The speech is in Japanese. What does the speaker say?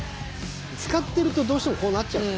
使ってるとどうしてもこうなっちゃう。